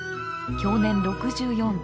享年６４。